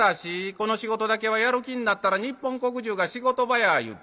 『この仕事だけはやる気になったら日本国じゅうが仕事場や』いうて」。